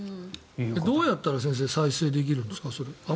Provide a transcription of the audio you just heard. どうやったら先生再生できるんですか？